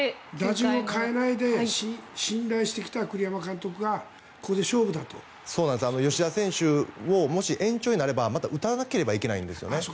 打順を変えないで信頼してきた栗山監督が吉田選手もまた延長になれば打たなければいけないんです。